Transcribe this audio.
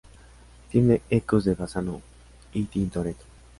Tiene ecos de Bassano y Tintoretto.